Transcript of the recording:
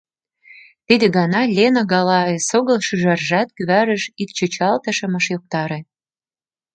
Тиде гана Лена гала, эсогыл шӱжаржат кӱварыш ик чӱчалтышым ыш йоктаре.